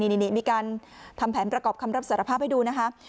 นี่มีการทำแผนประกอบคำรับสารภาพให้ดูนะคะ